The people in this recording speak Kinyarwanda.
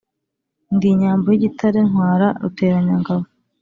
Ndi inyambo y’igitare ntwara Ruteranyangabo